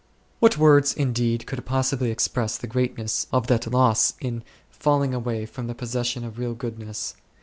What words indeed could possibly express the greatness of that loss in falling away from the possession of real goodness